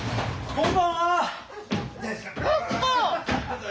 こんばんは。